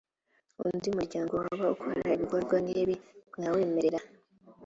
undi muryango waba ukora ibikorwa nkibi mwawemerera.